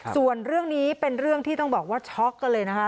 ส่วนเรื่องนี้เป็นเรื่องที่ต้องบอกว่าช็อกกันเลยนะคะ